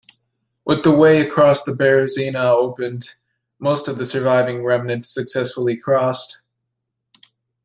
With the way across the Berezina opened, most of the surviving remnants successfully crossed.